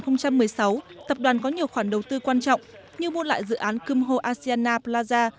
năm hai nghìn một mươi sáu tập đoàn có nhiều khoản đầu tư quan trọng như mua lại dự án kumho asiana plaza